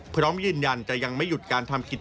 พร้อมยืนยันนึงไม่หยุดการ